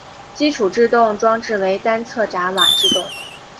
基础制动装置为单侧闸瓦制动。